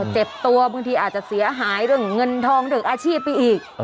เจ็บตัวบางทีอาจจะเสียหายเรื่องเงินทองเรื่องอาชีพไปอีก